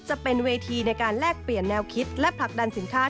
จะเป็นเวทีในการแลกเปลี่ยนแนวคิดและผลักดันสินค้า